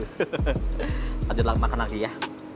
lanjutlah makan lagi ya